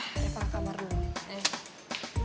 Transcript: eh pangkat kamar dulu